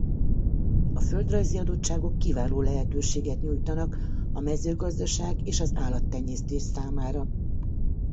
A földrajzi adottságok kiváló lehetőséget nyújtanak a mezőgazdaság és az állattenyésztés számára.